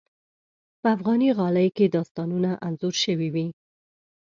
په افغاني غالۍ کې داستانونه انځور شوي وي.